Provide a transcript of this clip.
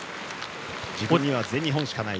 自分には全日本しかない。